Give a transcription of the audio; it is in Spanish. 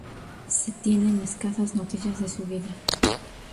Se tienen escasas noticias de su vida.